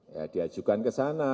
ya diajukan ke sana